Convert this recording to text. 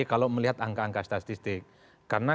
kalau melihat angka angka statistik karena